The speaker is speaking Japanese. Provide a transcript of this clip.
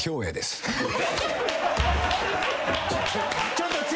ちょっと強。